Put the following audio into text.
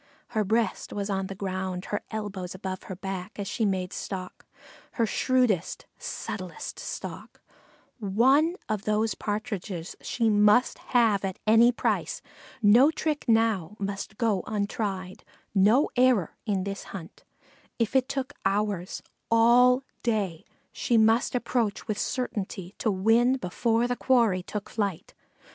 Her breast was on the ground, her elbows above her back, as she made stalk, her shrewdest, subtlest stalk; one of those Partridges she must have at any price; no trick now must go untried, no error in this hunt; if it took hours all day she must approach with certainty to win before the quarry took to flight.